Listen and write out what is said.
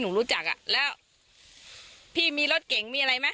รู้จักอ่ะแล้วพี่มีรถเก่งมีอะไรไหม